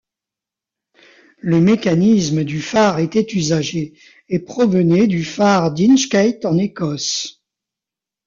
Le mécanisme du phare était usagé et provenait du phare d'Inchkeith en Écosse.